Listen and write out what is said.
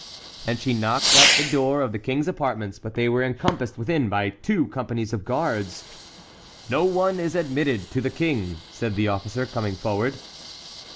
And she knocked at the door of the King's apartments; but they were encompassed within by two companies of guards. "No one is admitted to the King," said the officer, coming forward.